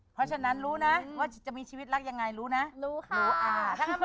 เพราะฉะนั้นรู้นะว่าจะมีชีวิตรักอย่างไรรู้นะ